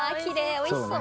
おいしそう。